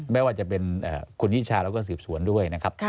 ไม่ว่าจะเป็นคุณนิชาแล้วก็สืบสวนด้วยนะครับ